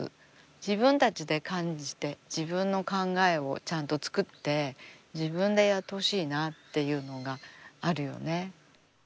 自分たちで感じて自分の考えをちゃんと作って自分でやってほしいなっていうのがあるよね。